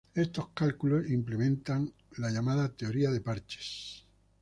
Estos cálculos implementar la llamada "teoría de parches".